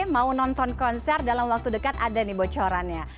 mau nonton konser dalam waktu dekat ada nih bocorannya